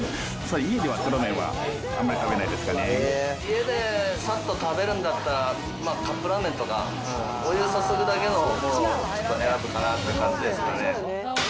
家でさっと食べるんだったら、カップラーメンとか、お湯注ぐだけのやつかなっていう感じですかね。